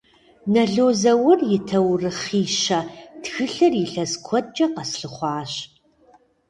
Нэло Зэур и «Тэурыхъищэ» тхылъыр илъэс куэдкӏэ къэслъыхъуащ.